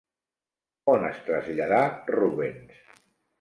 On es traslladà Rubens?